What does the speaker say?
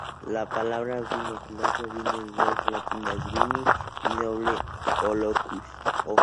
La palabra binocular proviene de dos raíces latinas, "bini" doble, y "oculus" ojo.